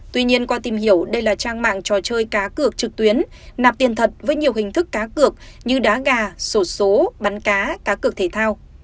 tuy nhiên qua tìm hiểu đây là trang mạng trò chơi cá cược trực tuyến nạp tiền thật với nhiều hình thức cá cược như đá gà sổ số bắn cá cá cược thể thao